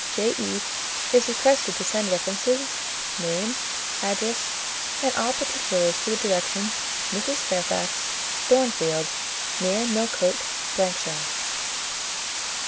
J.E. is requested to send references, name, address, and all particulars to the direction:— "Mrs. Fairfax, Thornfield, near Millcote, ——shire."